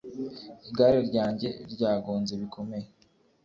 igare ryanjye ryagonze bikomeye